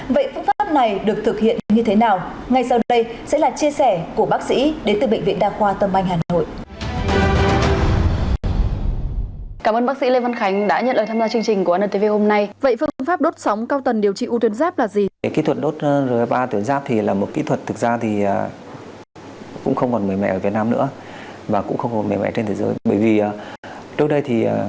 vậy phương pháp này được thực hiện như thế nào ngay sau đây sẽ là chia sẻ của bác sĩ đến từ bệnh viện đa khoa tâm anh hà nội